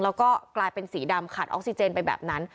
แล้วก็กลายเป็นสีดำขาดออกซิเจนไปแบบนั้น